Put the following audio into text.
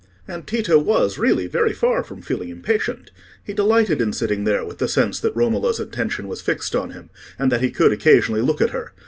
And Tito was really very far from feeling impatient. He delighted in sitting there with the sense that Romola's attention was fixed on him, and that he could occasionally look at her.